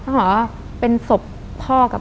คุณลุงกับคุณป้าสองคนนี้เป็นใคร